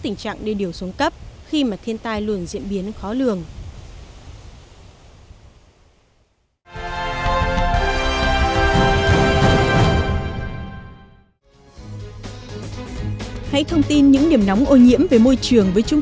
tình trạng đê điều xuống cấp khi mà thiên tai luôn diễn biến khó lường